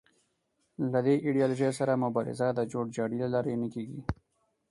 له دې ایدیالوژۍ سره مبارزه د جوړ جاړي له لارې نه کېږي